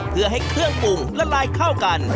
เพื่อให้เครื่องปรุงละลายเข้ากัน